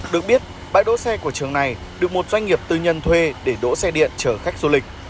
được biết bãi đỗ xe của trường này được một doanh nghiệp tư nhân thuê để đỗ xe điện chở khách du lịch